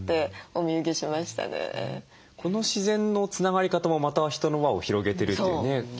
この自然のつながり方もまた人の輪を広げてるというね気がしましたね。